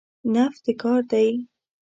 نفت د کار دی.